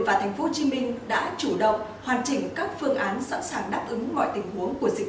và thành phố hồ chí minh đã chủ động hoàn chỉnh các phương án sẵn sàng đáp ứng mọi tình huống của dịch